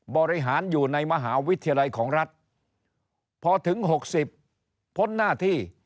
บริหารอยู่ในมหาวิทยาลัยของรัฐพอถึง๖๐พ้นหน้าที่